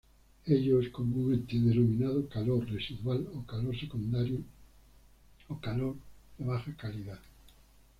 Ello es comúnmente denominado calor residual o "calor secundario", o "calor de baja calidad".